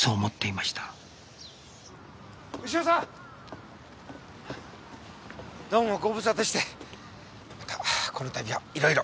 またこのたびはいろいろ。